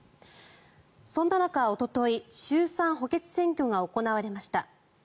そんな中、おととい衆参補欠選挙が行われました。